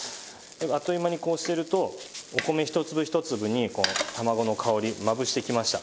あっという間にこうしてるとお米ひと粒ひと粒に卵の香りまぶしてきました。